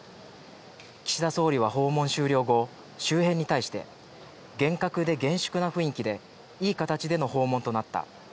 岸田総理は訪問終了後、周辺に対して、厳格で厳粛な雰囲気で、いい形での訪問となった。